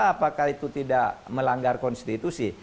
apakah itu tidak melanggar konstitusi